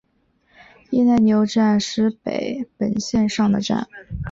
伊奈牛站石北本线上的站。